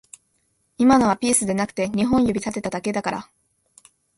今のはピースではなく二本指立てただけだから